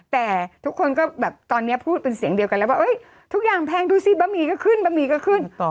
แต่ทุกคนก็แบบตอนนี้พูดเป็นเสียงเดียวกันแล้วว่าทุกอย่างแพงดูสิบะหมี่ก็ขึ้นบะหมี่ก็ขึ้น